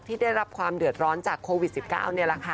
ที่ได้รับความเดือดร้อนจากโควิด๑๙